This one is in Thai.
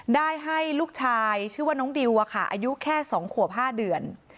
ได้ให้ลูกชายชื่อว่าน้องดิวอายุแค่๒ขวบ๕เดือน